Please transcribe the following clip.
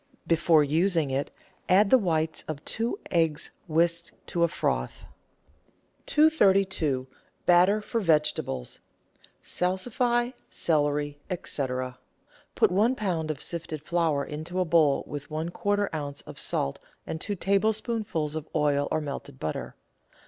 Before using it add the whites of two eggs whisked to a froth. 232— BATTER FOR VEGETABLES (Salsify, Celery, &c.) Put one lb. of sifted flour into a bowl with one quarter oz. of salt and two tablespoonfuls of oil or melted butter.